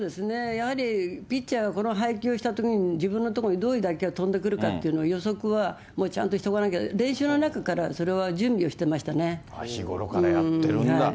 やはりピッチャーがこの配球をしたときに、自分のところにどういう打球が飛んでくるかっていう予測は、もうちゃんとしておかなきゃ、練習のときからそれは準備をしてました日頃からやってるんだ。